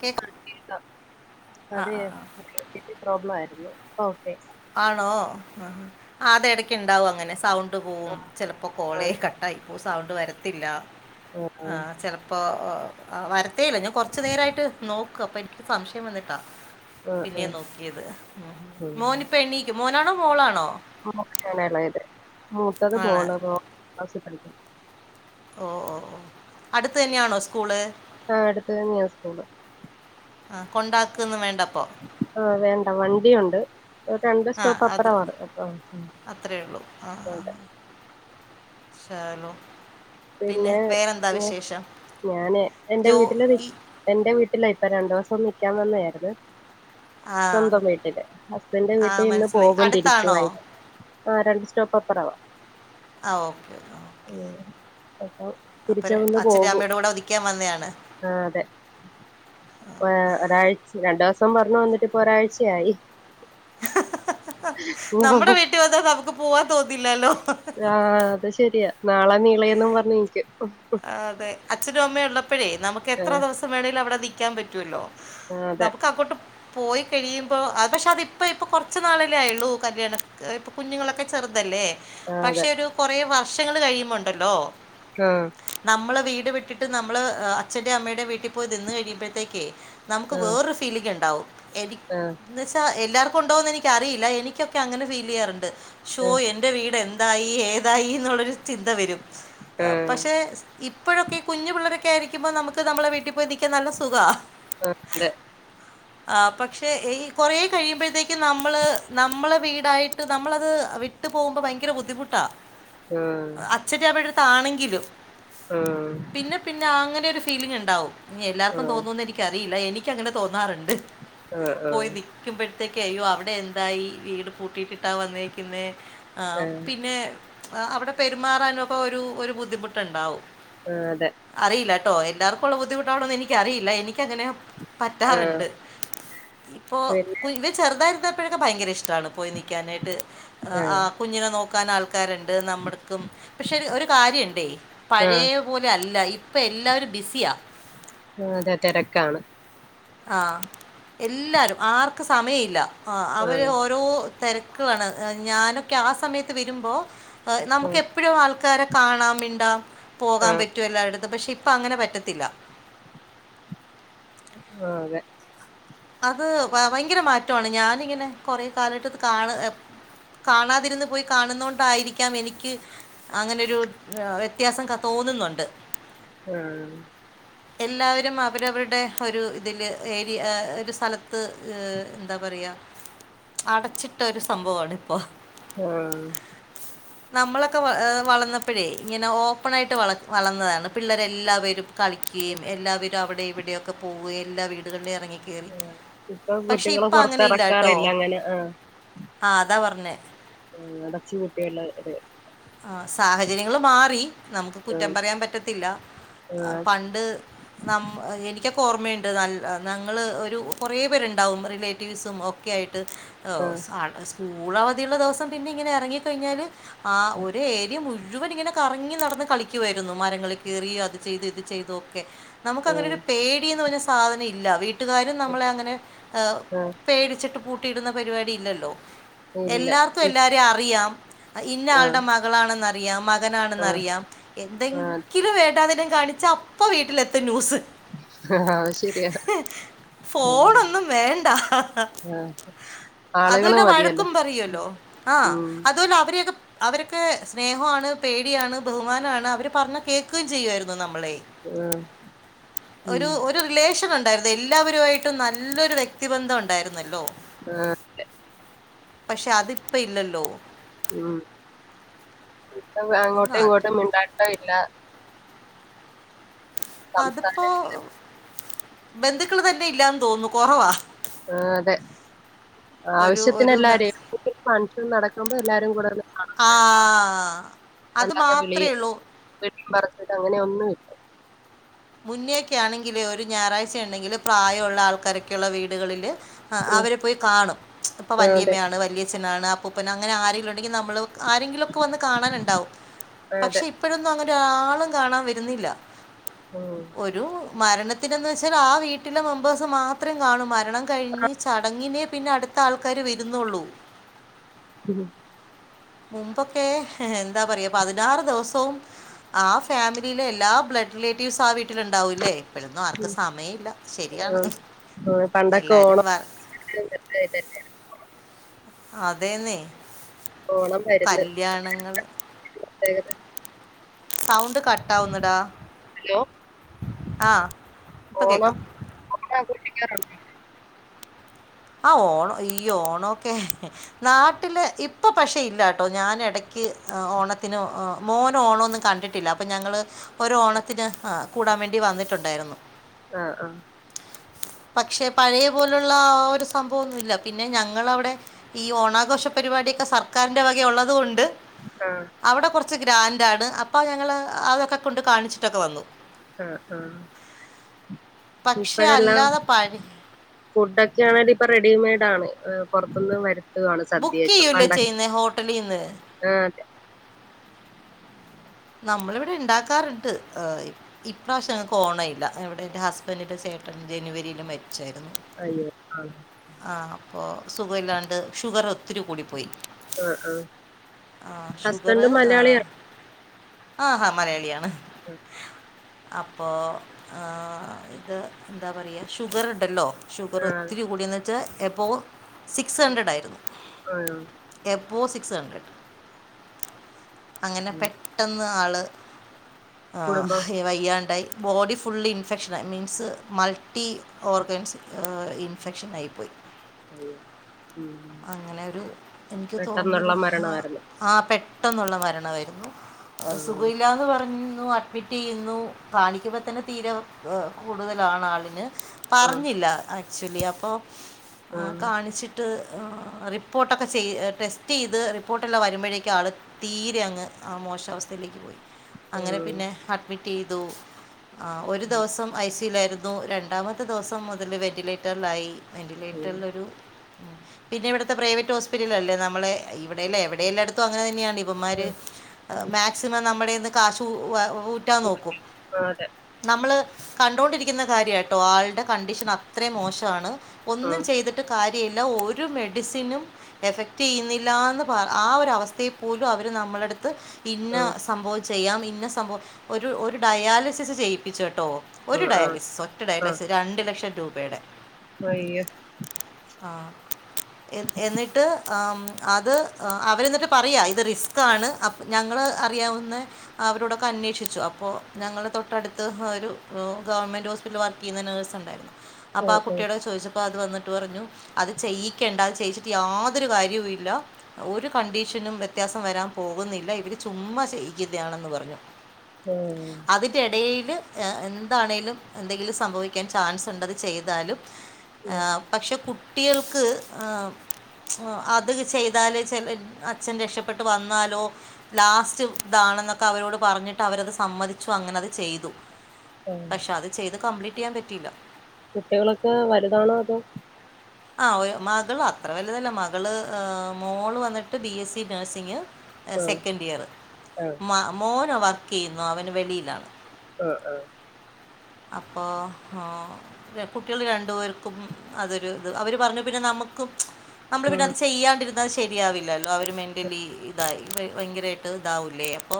Cake ആഹ് കേക്കാം അതേ നെറ്റിന്റെ പ്രോബ്ലം ആരുന്നു ഓക്കെ ആണോ ആഹ് അത് എടക്കിണ്ടാവും അങ്ങനെ സൗണ്ട് പോവും ചിലപ്പോ കോളേ അതെ കട്ട് ആഹ് ഇപ്പോ സൗണ്ട് വരത്തില്ല ആ ആഹ് ചെല ഇപ്പൊ ആഹ് ആഹ് വരത്തേയില്ല ഞാൻ കൊറച്ചു നേരായിട്ട് നോക്കുവാ അപ്പൊ എനിക്ക് സംശയം വന്നിട്ടാ ആ ആ പിന്നെയാ നോക്കിയത് മോന് ഇപ്പം എണ്ണീക്കും മോനാണോ മോളാണോ മോനാണ് എളേത് മൂത്തത് ആണ് മോള് മൂ [unintelligible] ക്ലാസിൽ പഠിക്കുന്നു ഓഹ് ഓഹ് ഓഹ് അടുത്ത് തന്നെയാണോ സ്കൂള് ആ അട്ത്തന്ന്യായാ സ്കൂള്. ആഹ് കൊണ്ടാകൊന്നുംവേണ്ടപ്പൊ ആഹ് വേണ്ട വണ്ടിയുണ്ട് ഒര് രണ്ട് ആ അത് സ്റ്റോപ്പപ്പറമാണ് അഹ് അവ്ടെ ഷേലൊ പിന്നെ ഞാൻ ഞാന് എൻ്റെ ജോ വീട്ടില് നി ഈ എന്റെ വീട്ടിലാ ഇപ്പം രണ്ടോസം നിക്കാൻ വന്നായിര്ന്ന് ആ സ്വന്തം വീട്ടില് ഹസ്ബൻ്റെ ആ വീട്ടിലിന്ന് മനസ്സിലായി പോകും തിരിച്ച് അടുത്താണോ വൈ ആഹ് രണ്ട് സ്റ്റോപ്പപ്പറവാ ആഹ് ഓക്കെ ഓക്കെ അപ്പം അപ്പര് അച്ഛൻ്റേം അമ്മടേ കൂടെ നിക്കാൻ വന്നെണ് ആഹ് അതെ ഏഹ് ഒരാഴ്ച രണ്ടുവസം പറഞ്ഞ് വന്നിട്ട്പ്പൊരാഴ്ചയായി [inaudible] നമ്മുടെ വീട്ടി വന്നാ നമുക്ക് പോവാൻ തോന്നില്ലാല്ലോ ആഹ് അത് ശെരിയാ നാളെ നീളേന്നും പറഞ്ഞ് നീറ്റ് ആഹ് അതെ അച്ഛനു അമ്മേ ഇള്ളപ്പഴേ നമുക്കെത്ര ആ ദിവസം വേണേലും അവിടെ നിക്കാൻ പറ്റുല്ലോ ആ അതെ നമുക്കങ്ങട്ട് പോയി കഴിയുമ്പോ അത് പക്ഷെ അതിപ്പം ഇപ്പൊ കുറച്ചല്ലേയായൊള്ളൂ കല്യാണക്കെ അത് ഇപ്പോ കുഞ്ഞുങ്ങളൊക്കെ ചെറ്തല്ലേ ആ അതെ പക്ഷെ ഒരു കുറേ വർഷങ്ങൾ കഴിയുമ്പോണ്ടല്ലോ ആഹ് നമ്മളെ വീട് വിട്ട്ട്ട് നമ്മള് അ് അച്ഛൻ്റേം അമ്മടേം വീട്ടിപ്പോയി നിന്ന് കഴിയുമ്പോഴത്തേക്കേ നമുക്ക് വേറൊരു ഫീലിംഗ്ണ്ടാവും എനി ആഹ് എന്ന് വെച്ചാ എല്ലാർക്കുണ്ടോന്നെനിക്കറിയില്ല എനിക്കൊക്കെ അങ്ങനെ ഫീ ലെയ്യാറുണ്ട് ഷോ ആ എന് എൻ്റെ വീടെന്തായീ ഏതായീന്ന്ള്ളൊരു ചിന്ത വരും പക്ഷെ ആ ഇപ്പഴൊക്കെ ഈ കുഞ്ഞു പിള്ളേരൊക്കെയായിരിക്കുമ്പോ നമുക്ക് നമ്മളെ വീട്ടി പോയി നിൽക്കാൻ നല്ല സുഖാ ആ അതെ ആഹ് പക്ഷെ ഈ കൊറേ കഴിയുമ്പേ ത്തക്കും നമ്മള് നമ്മളെ വീടായിട്ട് നമ്മളത് വിട്ട് ട്ട് പോകുമ്പൊ ഭയങ്കര ബുദ്ധിമുട്ടാ ആഹ് അച്ചൻ്റെ അമ്മേടെട്ത്താണെങ്കിലും ആഹ് പിന്നെ പിന്നെ അങ്ങനൊരു ഫീലിംഗ്ണ്ടാവും എല്ലാർക്കും ആ ആ തോന്നുംന്ന് എനിക്കറീല്ല എനിക്കങ്ങനെ തോന്നാറ്ണ്ട് പോയ് ടീ ക്കുമ്പഴത്തേക്കയ്യോ അവിടെന്തായി വീട് പൂട്ടിട്ട്ട്ടാ വന്നേക്ക്ന്നേ ആ ആഹ് പിന്നെ അ അവ്ടെ പെരുമാറാനൊക്കെ ഒരു ഒരു ബുദ്ധിമുട്ട്ണ്ടാവും ആഹ് അതെ അറിയില്ലാട്ടോ എല്ലാർക്കുള്ള ബുദ്ധിമുട്ടാണോന്ന് എനിക്കറിയില്ല എനിക്കങ്ങനെ ആ പറ്റാറ്ണ്ട് ഇപ്പോ ഒ പിന്നെ ചെറുതായി ര്ന്നപ്പോഴൊക്കെ ഭയങ്കര ഇഷ്ടാണ് പോയി നിക്കാനായിട്ട് അ ആ ആഹ് കുഞ്ഞിനെ നോക്കാനാൾ ക്കാര്ണ്ട് നമ്മൾക്കും പക്ഷെരു ഒരു കാര്യണ്ട് ആ പഴേ ആ പോലല്ല ഇപ്പെല്ലാവരും ബിസിയാ ആഹ് അതെ തെരക്കാണ് ആഹ് എല്ലാരും ആർക്ക് സമയല്ല ആഹ് അ ആ അവര് ഓരോ തെര ക്കണ് ഞാനൊക്കെ ആ സമയത്ത് വര്മ്പോ ആ നമുക്കെപ്പൊഴും ആൾക്കാരെ കാണാം മിണ്ടാം ആ പോകാൻ പറ്റും എല്ലായിടത്തും പക്ഷെ ഇപ്പങ്ങനെ പറ്റത്തില്ല ആഹ് അതെ അത് വ വയങ്കര മാറ്റാണ് ഞാനിങ്ങനെ കൊറേ കാലായിട്ടത് കാണാണ് എപ്പ കാണാതിര്ന്ന് പോയി കാണുന്നോണ്ടായിരിക്കാം എനിക്ക് അങ്ങനെരു വ്യത്യാസം ക തോന്ന്ന്നുണ്ട് ആ ഹ് എല്ലാവരും അവരവരുടെ ഒരു ഇതില് ഏരിയ ഒരു സ്ഥലത്ത് ത്ത് ഹ് എന്താ പറയാ അടച്ചിട്ട ഒരു സംഭവാണ് ഇപ്പോ ആഹ് നമ്മളൊക്കെ വ വളന്നപ്പോഴേ ഇങ്ങനെ ഓപ്പണായിട്ട് വള വളന്നതാണ് പിള്ളേരെല്ലാവരും കളി കെയും എല്ലാവരും അവിടെയും ഇവിടെയൊക്കെ പോവുകയും എല്ലാ വീടുകളിലും ഇറങ്ങി ആഹ് ഇപ്പൊ പക്ഷെ കുട്ടികളെ ഇപ്പൊ അങ്ങനെ ഇല്ലാട്ടോ പൊറത്തിറക്കാറില്ല അങ്ങനെ ആഹ് ആഹ് അതാ പറഞ്ഞേ ഉമ് അടച്ച് പൂട്ടി എല്ലാർക്കടേം ആഹ് സാഹചര്യങ്ങൾ മാറി നമുക്ക് കുറ്റം ആഹ് പറയാൻ പറ്റത്തില്ല ആഹ് പണ്ട് നമ്മ് എനിക്കൊക്കെ ഓർമ്മയുണ്ട് നല്ല ഞങ്ങള് ഒരു കുറേ പേരുണ്ടാവും റിലേറ്റീവ്സും ഒ ക്കെയായിട്ട് ആഹ് സ സ്കൂളവധിയുള്ള ദിവസം പിന്നെ ഇങ്ങനെ ഇറങ്ങി കഴിഞ്ഞാല് ആഹ് ഒ മുഴുവൻ ഇങ്ങനെ കറങ്ങി നടന്ന് കളിക്കുവായിരുന്നു മരങ്ങൾ കയറി അത് ചെയ്തു ഇത് ചെയ്തു ഒക്കെ നമുക്ക് അങ്ങനെ ഒരു ആഹ് പേടിന്ന് പറഞ്ഞ സാധനം ഇല്ല വീട്ട കൂട്ടുകാരും നമ്മളെ അങ്ങനെ മ് ആഹ് പേടിച്ചിട്ട് പൂട്ടിയിടുന്ന പരിപാടി ഇല്ലല്ലോ ഇല്ല എല്ലാർക്കും ഇ എല്ലാരെ അറിയാം ഇന്നയാളുടെ ആഹ് മകളാണ് നല്ല ആഹ് മകനാണെന്നറിയാം ആഹ് എന്തെങ്കിലും വേണ്ടാദീനം കാണിച്ച അപ്പ ഇപ്പൊ വീട്ടിലെത്തും ന്യൂസ് ആഹ് ആഹ് അത് ശരിയാ ആഹ് ഫോണൊന്നും വേണ്ട ആഹ് ആളുകള് അതുല്ല മതിയല്ലോ വഴക്കും പറയൂല്ലോ ആഹ് ഉം അതുപോലെ അവരെയൊക്കെ അവരൊക്കെ സ്നേഹമാണ് പേടിയാണ് ബഹുമാനണ് അവർ പറഞ്ഞ കേൾക്കു ചെയ്യയിരുന്നു നമ്മളെ ആഹ് ഒരു ഉമ് ഒരു റിലേഷൻ ഉണ്ടായിരുന്നു എല്ലാവരു ആയിട്ടും നല്ലൊരു വ്യക്തിബന്ധം ഉണ്ടായിരുന്നല്ലോ ആഹ് അതെ പക്ഷെ അതിപ്പ ഇല്ലല്ലോ ഉമ് ഇപ്പ അങ്ങോട്ടും നാട്ടിൽ ഇങ്ങോട്ടും മിണ്ടാട്ടം ഇല്ല അതിപ്പോ സംസാരം ഇല്ല ബന്ധുക്കൾ തന്നെ ഇല്ലാന്ന് തോന്നുന്നു കൊറവാ ആഹ് അതെ ഒരു ഒരു മെ- ആവശ്യത്തിനല്ലാരേ ഈ ഫങ്ക്ഷൻ നടക്കുമ്പോ എല്ലാരും കൂടെ ഒന്ന്‌ കാണ് ആ കാണ് അത് മാത്ര ഉള്ളൂ വീട്ടും പറച്ചിലും അങ്ങനെ ഒന്നും ഇല്ല മുന്നേയൊക്കെ ആണെങ്കില് ഒരു ഞായറാഴ്ച ഉണ്ടെങ്കില് പ്രായള്ള ആൾക്കാരൊക്കെയുള്ള വീടുകളില് ആ ഉം അവരെ പോയി കാണും ഇപ്പൾ ആഹ് അതെ വലിയമ്മയാണ് വലിയച്ഛനാണ് അപ്പൂപ്പനാണ് അങ്ങനെ ആരെങ്കിലും ഉണ്ടെങ്കിൽ നമ്മൾ ആരെങ്കിലുമൊക്കെ വന്ന് കാണാനുണ്ടാവും അതെ പക്ഷെ ഇപ്പോഴൊന്നും അങ്ങനെ ഒരാളും കാണാൻ വരുന്നില്ല ആഹ് ഒരു മരണത്തിനന്ന് വെച്ചാൽ ആ വീട്ടിലെ മെമ്പേഴ്സ് മാത്രം കാണും കല്യാണം കഴിഞ്ഞ് ചടങ്ങിനേ പിന്നെ അടുത്ത ആൾക്കാർ വരുന്നുള്ളൂ മുമ്പൊക്കെ എന്താ പറയാ പതിനാറ് ദിവസവും ആ ഫാമിലിയിലെ എല്ലാ ബ്ലഡ്‌ റിലേറ്റീവ്സും ആ വീട്ടില ഉണ്ടാവും ല്ലേ ഇപ്പോഴൊന്നും ആർക്കും സമയം ഇല്ല ശരിയാണ് ആഹ് പണ്ടൊക്കെ എല്ലാരും ഓണം വർ [unintelligible] അതേന്നെ ഓണം വരുന്ന് പ്രത്യേകത സൗണ്ട് കട്ടാവുന്നടാ ഹലോ ആഹ് ഓണം ഓണം ആഘോഷിക്കാറുണ്ടോ? ആഹ് ഓണം ഈ ഓണോക്കെ നാട്ടില് ഇപ്പൊ പക്ഷെ ഇല്ലട്ടോ ഞാൻ ഇടക്ക് ഓണത്തിന് മോൻ ഓണോന്നും കണ്ടി ഇല്ല അപ്പ ഞങ്ങൾ ഒരു ഓണത്തിന് കൂടാൻ വേണ്ടി വന്നിട്ടുണ്ടായിരുന്നു ആഹ് ആഹ് പക്ഷെ പഴയ പോലുള്ള ആ ഒരു സംഭവൊന്നുല്ല പിന്നെ ഞങ്ങളവിടെ ഈ ഓണാഘോഷ പരിപാടിയൊക്കെ സർക്കാറിൻ്റെ വകയുള്ളത് കൊണ്ട് ആഹ് അവിടെ കുറച്ച് ഗ്രാൻഡാണ് അപ്പൊ ഞങ്ങള് അതൊക്കെ കൊണ്ട് കാണിച്ചിട്ടൊക്കെ വന്നു ആഹ് ആഹ് പക്ഷേ ഇപ്പഴെല്ലാം [unintelligible] ഫുഡ് ഒക്കെ ആ ഇപ്പൊ റെഡിമെയ്ഡാണ് പൊറത്ത്ന്ന് വര് ണ് ബുക്ക് സദ്യയൊക്കെ ചെയ്യുമല്ലോ പണ്ടൊ ചെയ്യുന്നത് ഹോട്ടലിൽ നിന്ന് ആ അതെ നമ്മളിവിടെ ഇണ്ടാക്കാറ്ണ്ട് ഇപ്രാവശ്യം ഞങ്ങക്ക് ഓണമില്ല ഇവിടെ എന്റെ ഹസ്ബൻഡിന്റെ ചേട്ടൻ ജനുവരിയിൽ മരിച്ചായിരുന്നു അയ്യോ ആഹ് ആ അപ്പൊ സുഖ ഇല്ലാണ്ട് ഷുഗർ ഒത്തിരി കൂടിപ്പോയി ആഹ് ആഹ് ആ ഷുഗറ് ഹസ്ബൻഡും ആ മലയാളിയാണോ ആഹ് ഹ മലയാളിയാണ് [inaudible] അപ്പോ ആ ഇത് എന്താ പറയ ഷുഗർണ്ടല്ലോ ഷുഗർ ആഹ് ഒത്തിരി കൂടിയെന്ന്ച്ചാ എബൗ സിക്സ് ഹഡ്രഡ് ആയിരുന്നു [unintelligible] എബൗ സിക്സ് ഹഡ്രഡ് അങ്ങനെ ഉം പെ ന്ന് ആള് കുടുംബം വയ്യാണ്ടായി ബോഡി ഫുള്ളി ഇൻഫെക്ഷനായി മീൻസ് മൾട്ടി ഓർഗൻസ് ഇൻഫെക്ഷൻ അയി പോയി [unintelligible] അങ്ങനെ ഒരു എനിക്ക് പെട്ടെന്നുള്ള തോന്നുന്നൊരു മരണമായിരുന്നു ആ പെട്ടെന്നുള്ള മരണവായിരുന്നു സുഖ ആഹ് ഇല്ലാന്ന് പറഞ്ഞു റ്റിയ്യുന്നു, കാണിക്കുമ്പോ തന്നെ തീരെ എ കൂടുതലാണ് ആളിന് ആഹ് പറഞ്ഞില്ല ആക്ച്വലി അപ്പോ ആഹ് കാണിച്ചിട്ട് റിപ്പോർട്ടൊക്കെ ചെയ് ടെസ്റ്റിയ്ത് റിപ്പോർട്ടെല്ലാം വരുമ്പോഴേക്കും ആൾ തീരെ അങ്ങ് ആ മോശാവസ്ഥയിലേക്ക് പോയി അങ്ങനെ പിന്നെ ആഹ് അഡ്മിറ്റ്യ്തു, ഒരു ദിവസം ഐ സി യുൽ ആയിരു ന്നു രണ്ടാമത്തെ ദിവസം മുതല് വെന്റിലേറ്റർലായി അയ്യോ വെന്റിലേറ്ററിലൊരു ഉം. പിന്നെ ഇവിടുത്തെ പ്രൈവറ്റ് ഹോസ്പിറ്റിൽലല്ലേ നമ്മള് ഇവിടെയല്ല എവടെ എല്ലായിടത്തും അങ്ങനതന്നെയാണ് ഇവന്മാര് ആഹ് മാക്സിമം നമ്മുടെന്ന് കാശ് [unintelligible] ഊറ്റാ നോക്കും ആഹ് നമ്മള് കണ്ടൊണ്ടിരിക്കുന്ന കാര്യ ട്ടോ ആൾടെ കണ്ടീഷൻ അത്രയും മോശം ആണ്, ഒന്നും ആഹ് ചെയ്തിട്ട് കാര്യല്ല, ഒരു ഒരു മെഡിസിനും എഫക്ടിയിന്നില്ലാന്ന് പറ ആ ഒരു അവസ്ഥയെ പോലും അവര് നമ്മളട്ത്ത് ഇന്ന ആഹ് സംഭവം ചെയ്യാം ഇന്ന സംഭവം ഒരു ഒരു ഡയാലിസിസ് ചെയ്യിപ്പിച്ചുട്ടോ ഒരു ആഹ് ആഹ് ഡയാലിസ് ഒറ്റ ഡയാലിസ് രണ്ടു ലക്ഷം രൂപയുടെ വയ്യ ആഹ് എഹ് എന്നിട്ട് അം അത് അവര് തന്നെ പറയാ ഇത് റിസ്ക്കാണ് അ ഞങ്ങള് അറിയാവുന്ന അവരോടൊക്കെ അന്വേഷിച്ചു അപ്പോ ഞങ്ങളുടെ തൊട്ടടുത്ത് ഒരു ഗവൺമെന്റ് ഹോസ്പിറ്റൽ വർക്കിയ്യ്ന്ന നേഴ്സ്ണ്ട് [inaudible] അപ്പാ ആ ആഹ് കുട്ടിയോട് ചോദിച്ചപ്പോ അത് വന്നിട്ട് പറഞ്ഞു അത് ചെയ്യിക്കേണ്ട അത് ചെയ്യിച്ചിട്ട് യാതൊരു കാര്യവും ല്ല ഒര് കണ്ടീഷനും വ്യത്യാസം വരാൻ പോകുന്നില്ല ഇവര് ചുമ്മാ ചെയ്യിക്കിന്നാണെന്ന് പറഞ്ഞു ആഹ്. അതിൻ്റെ എടേല് ഏഹ് എന്താണേലും എന്തെങ്കിലും സംഭവിക്കാൻ ചാൻസ്ണ്ടത് ചെയ്താലും ആ ഉം പക്ഷെ കുട്ടികൾക്ക് ആ ആ അത് ചെയ്താല് ചില അച്ഛൻ രക്ഷപ്പെട്ട് വന്നാലോ ലാസ്റ്റ് ഇതാണെന്നൊക്കെ അവരോട് പറഞ്ഞിട്ട് അവരത് സമ്മതിച്ചു അങ്ങനെ അത് ചെയ്തു ആഹ് പക്ഷെ അത് ചെയ്ത് കംപ്ലീറ്റ് ചെയ്യാൻ പറ്റിയില്ല കുട്ടികളൊക്കെ വലുതാണോ അതോ ആ മകള് അത്ര വലുതല്ല മകള് മോള് വന്നിട്ട് ബി എസ് സി നഴ്സിങ് ആഹ് സെക്കൻഡ് ഇയറ് ആഹ് മ മോൻ വർക്ക് ചെയ്യുന്നു അവന് വെളിയിലാണ് ആഹ് ആഹ് അപ്പോ കുട്ടികൾ രണ്ടു പേർക്കും അതൊരു അവര് പറഞ്ഞു പിന്നെ നമുക്കും നമ്മള് പിന്നെ ഉം അത് ചെയ്യാണ്ടി ന്ന ശരിയാവില്ലല്ലോ അവര് മെന്റലി ഇതായി ഭയങ്കരമായിട്ട് ഇതാവുല്ലേ അപ്പോ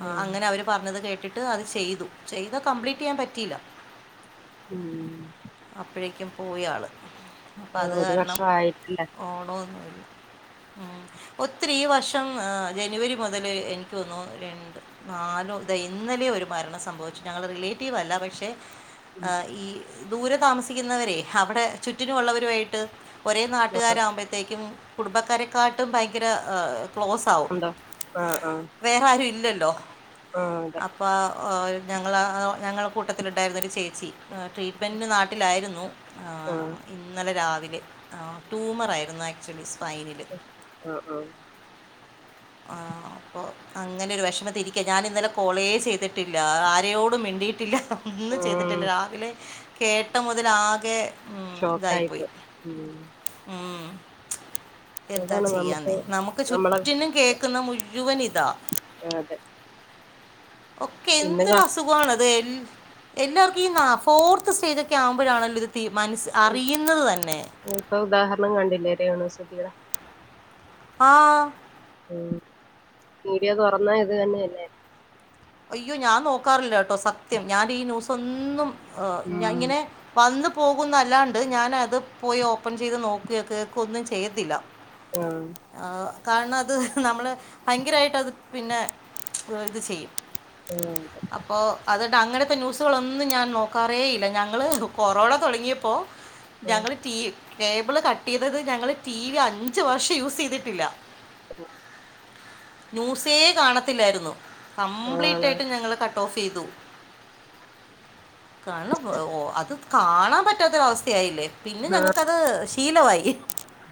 ആ ഉം അങ്ങനെ അവര് പറഞ്ഞത് കേട്ടിട്ട് അത് ചെയ്തു ചെയ്ത കംപ്ലീറ്റ് ചെയ്യാൻ പറ്റിയില്ല ഉം അപ്പഴേക്കും പോയാള് ആ ഒരു വർഷം ആയിട്ടില്ലേ? ഓണോന്നുല്ലാ ഒത്തിരി ഈ വർഷം ജനുവരി മുതല് എനിക്കോന്നു രണ്ട് നാലും ഇത ഇന്നലെ ഒരു മരണം സംഭവിച്ചു ഞങ്ങള് റിലേറ്റീവ് അല്ല പക്ഷെ ഉം ആ ഈ ദൂരെ താമസിക്കുന്നവരെ അവിടെ ചുറ്റിനുമള്ളവരു ആയിട്ട് ഒരേ നാട്ടുകാരാകുമ്പോഴത്തേക്കും കുടുംബക്കാരെക്കാട്ടും ഭയങ്കര ക്ലോസ് ആവും എന്താ ആ ആഹ് വേറെ ആരും ഇല്ലല്ലോ ആ അതെ അപ്പോ ഞങ്ങളാ ഞങ്ങള കൂട്ടത്തിലുണ്ടായിരുന്നൊരു ചേച്ചി ട്രീറ്റ് ഹസ്ബെൻഡ് നാട്ടിലായിരുന്നു ആഹ് ഇന്നലെ രാവിലെ ആഹ് ടൂമറായിരുന്നു ആക്ച്വലി സ്പയ്നില് ആഹ് ആഹ് ആഹാ അപ്പോ അങ്ങനൊരു വെഷമത്തിരിക്ക ഞാനിന്നലെ കോളേ ചെയ്തിട്ടില്ല ആരെയോടും മിണ്ടിയിട്ടില്ല. ഒന്നും ചെയ്തിട്ടില്ല ഉം രാവിലെ കേട്ടമുതലാകെ ഉം ഷോക്കായിപ്പ ഉം ഊം എന്താ അതാണ് നമുക്ക് ചെയ്യാന്നെ നമുക്ക് നമ്മളെ ചുറ്റിനും കേക്കുന്ന മുഴുവൻ ഇതാ ആ, അതെ ഒക്കെ ഇന്ന് കാ ന്തരസ് ത്ത് പോണത് ഉം എല്ലാർക്കു ഈ നാ ഫോർത്ത് സ്റ്റേജ് ഒക്കെ ആവുമ്പഴാണല്ലോ ഇത് തി മനസ്സ് അറിയുന്നത് തന്നെ ഇപ്പൊ ഉദാഹര്ണം കണ്ടില്ലേ രേണുസുധിയുടെ ആഹ് ഉം മീഡിയ തുറന്നാ ഇത് തന്നെയല്ലേ അയ്യോ ഞാൻ നോക്കാറില്ലട്ടോ സത്യം ഞാൻ ഈ ന്യൂസൊന്നും ഉം ഇങ്ങനെ വന്ന് പോകുന്നല്ലാണ്ട് ഞാനത് പോയി ഓപ്പൺ ചെയ്ത് നോക്കെ കേക്കൊന്നും ചെയ്യത്തില്ല ഉം ആ കാരണം അത് നമ്മള് ഭയങ്കരമായിട്ട് അത് പിന്നെ ഇത് ചെയ്യും ആ അതെ അപ്പോ അത്ണ്ട് അങ്ങനത്തെ ന്യൂസുകളൊന്നും ഞാൻ നോക്കാറേ ഇല്ല ഞങ്ങൾ കൊറോണ തുടങ്ങിയപ്പോ ഞങ്ങള്ൾ ടി കേബിള് കട്ട് ചെയ്തത് ഞങ്ങള് ടി വി അഞ്ച് വർഷം യൂസ് ചെയ്തിട്ടില്ല ആഹ ന്യൂസേ കാണത്തില്ലായിരുന്നു കംപ്ലീറ്റ് ആണോ ആയിട്ടും ഞങ്ങള് ക ഓഫ്ചെയ്തു കാരണം അത് കാണാൻ പറ്റാത്തൊരവസ്ഥയായില്ലേ പിന്നെ ഞങ്ങക്കത് ശീലവായി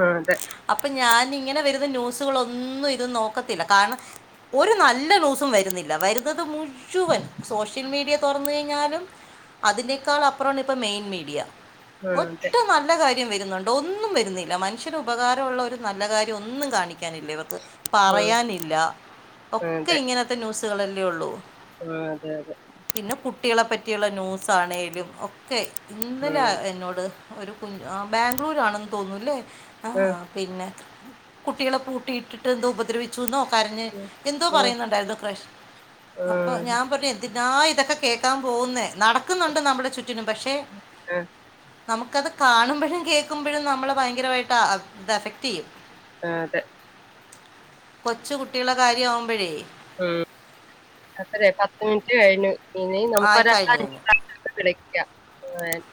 ആ അതെ അപ്പം ഞാനിങ്ങനെ വരുന്ന ന്യൂസുകളൊന്നും ഇത് നോ ക്കത്തില്ല കാരണം ഒരു നല്ല ന്യൂസും വരുന്നില്ല വരുന്നത് മുഴുവൻ സോഷ്യൽ മീഡിയ തൊറന്നു കഴിഞ്ഞാലും അതിനേക്കാലിപ്പ്രം ആണ് മെയിൻ മീഡിയ ആഹ് അതെ ഒട്ടും നല്ല കാര്യ ന്നി വരുന്നുണ്ടൊ ഒന്നും വരുന്നില്ല മനുഷ്യന് ഉപകാരൊള്ളൊരു നല്ല കാര്യം ഒന്നും കാണിക്കാനില്ല ഇവർക്ക് ആഹ് പറയാനില്ല ഒക്കെ അതെ ഇങ്ങനത്തെ ന്യൂസുകളല്ലേ ഉള്ളൂ ആഹ് അതെ അതെ പിന്നെ കുട്ടികളെ പറ്റിയുള്ള ന്യൂസാണേലും ഒക്കെ ഇന്നലെ ഉം എന്നോട് ഒരു കുഞ് ആഹ് ബാംഗ്ലൂരാണെന്ന് തോന്നൂല്ലേ ഉം [unintelligible] പിന്നെ കുട്ട്യാളെ പൂട്ടിയിട്ടിട്ട് എന്തോ ഉപ ചുനോ കരഞ്ഞ് എന്തോ പറയുന്നുണ്ടായിരുന്നു ക്രഷ് അപ്പോ ആഹ് ഞാൻ പറഞ്ഞ് ന്തിനാ ഇതൊക്കെ കേക്കാ പോകുന്നേ നടക്കുന്നുണ്ട് നമ്മുടെ ചുറ്റിനും പക്ഷേ ആഹ് നമുക്കത് കാണുമ്പഴും കേക്കുമ്പഴും നമ്മളെ ഭയങ്കരമായിട്ട് ഇതഫക്റ്റ് ചെയ്യും അതെ കൊച്ചു കുട്ടികളെ കാര്യാമ്പോഴേ ഉം അപ്പഴേ പത്ത് മിനിറ്റ് കഴിഞ്ഞു ഇനി നമുക്ക് ആയി ഒരാ കഴിഞ്ഞു കഴിഞ്ഞു അഞ്ച കടക്ക ഏ [unintelligible]